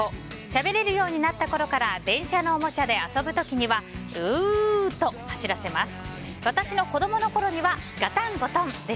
しゃべれるようになったころから電車のおもちゃで遊ぶ時には「ブー」と走らせます。